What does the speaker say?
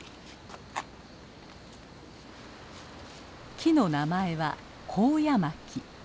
木の名前はコウヤマキ。